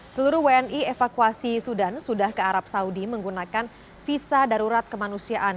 seluruh wni evakuasi sudan sudah ke arab saudi menggunakan visa darurat kemanusiaan